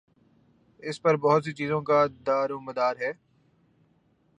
اس پر بہت سی چیزوں کا دارومدار ہے۔